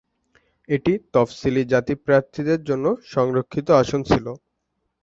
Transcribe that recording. এটি তফসিলি জাতি প্রার্থীদের জন্য সংরক্ষিত আসন ছিল।